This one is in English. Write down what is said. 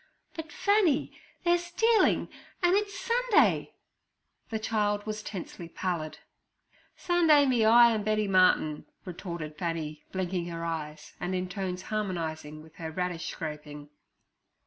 'But, Fanny, they're stealin', an' it's Sunday.' The child was tensely pallid. 'Sunday me eye an' Betty Martin!' retorted Fanny, blinking her eyes, and in tones harmonizing with her radish scraping.